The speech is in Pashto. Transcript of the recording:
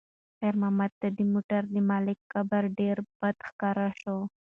خیر محمد ته د موټر د مالک کبر ډېر بد ښکاره شو.